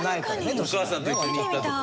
お母さんと一緒に行ったとか。